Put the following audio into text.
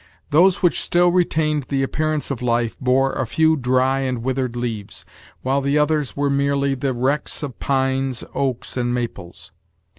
Those which still retained the appearance of life bore a few dry and withered leaves, while the others were merely the wrecks of pines, oaks, and maples.